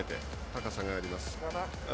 高さがあります。